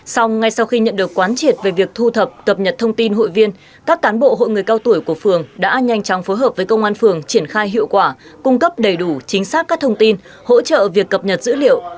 sau ngay sau khi nhận được quán triệt về việc thu thập cập nhật thông tin hội viên các cán bộ hội người cao tuổi của phường đã nhanh chóng phối hợp với công an phường triển khai hiệu quả cung cấp đầy đủ chính xác các thông tin hỗ trợ việc cập nhật dữ liệu